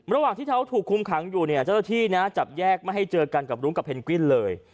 ระหว่างที่เขาถูกคุมขังอยู่เนี่ยเจ้าหน้าที่นะจับแยกไม่ให้เจอกันกับรุ้งกับเพนกวินเลย